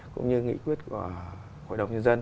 cũng như nghị quyết của hội đồng nhân dân